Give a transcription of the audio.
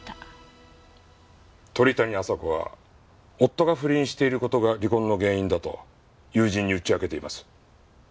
鳥谷亜沙子は夫が不倫している事が離婚の原因だと友人に打ち明けています。